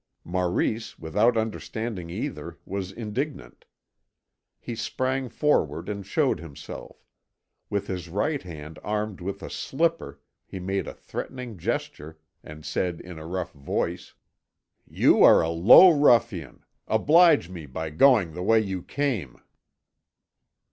Maurice, without understanding either, was indignant. He sprang forward and showed himself; with his right hand armed with a slipper he made a threatening gesture, and said in a rough voice: "You are a low ruffian; oblige me by going the way you came."